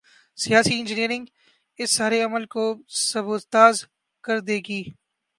'سیاسی انجینئرنگ‘ اس سارے عمل کو سبوتاژ کر دے گی۔